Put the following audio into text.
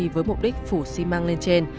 với mục đích phủ xi măng lên trên